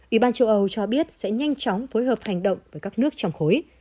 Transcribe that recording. ủy ban châu âu cho biết sẽ nhanh chóng phối hợp hành động với các nước trong khối